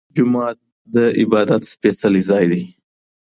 جومات د عبادت سپيڅلی ځای دی.